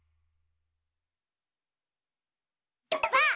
ばあっ！